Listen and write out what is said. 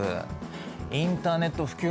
インターネット普及